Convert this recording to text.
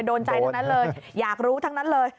โดนใจทั้งนั้นเลยอยากรู้ทั้งนั้นเลย